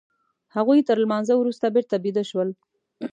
هغوی تر لمانځه وروسته بېرته بيده شول.